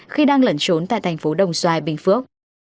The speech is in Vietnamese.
khi đang lẩn trốn tại thành phố đồng xoài bình phước